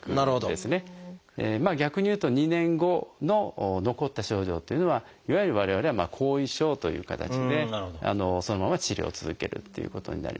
逆にいうと２年後の残った症状というのはいわゆる我々は後遺症という形でそのまま治療を続けるっていうことになりますでしょうかね。